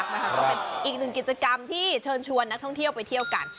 ก็เป็นอีกหนึ่งกิจกรรมที่เชิญชวนนักท่องเที่ยวไปเที่ยวกัน